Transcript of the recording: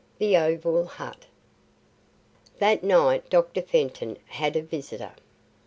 THE OVAL HUT That night Dr. Fenton had a visitor.